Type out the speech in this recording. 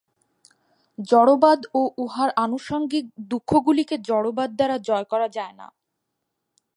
জড়বাদ ও উহার আনুষঙ্গিক দুঃখগুলিকে জড়বাদ দ্বারা জয় করা যায় না।